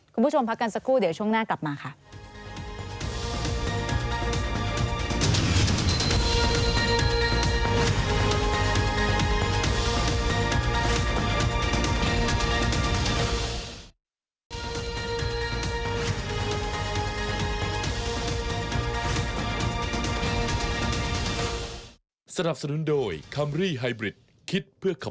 คุณผู้ชมพักกันสักครู่เดี๋ยวช่วงหน้ากลับมาค่ะ